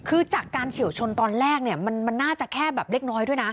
คือจากการเฉียวชนตอนแรกเนี่ยมันน่าจะแค่แบบเล็กน้อยด้วยนะ